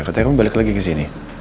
katanya kamu balik lagi kesini